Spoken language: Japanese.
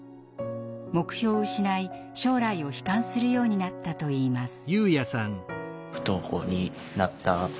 目標を失い将来を悲観するようになったといいます。